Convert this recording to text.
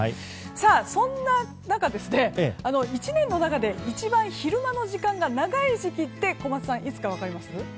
さあ、そんな中、１年の中で一番昼間の時間が長い時期って小松さん、いつか分かります？